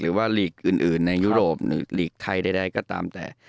ว่าลีกอื่นในยุโรปหรือหลีกไทยใดก็ตามแต่